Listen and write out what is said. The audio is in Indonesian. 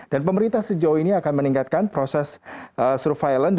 dan pemerintah sejauh ini akan meningkatkan proses surveillance